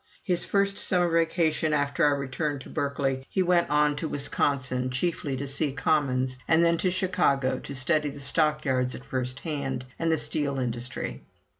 His first summer vacation after our return to Berkeley, he went on to Wisconsin, chiefly to see Commons, and then to Chicago, to study the stockyards at first hand, and the steel industry.